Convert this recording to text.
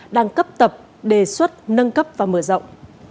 đang cấp tập đề xuất nâng cấp và mở rộng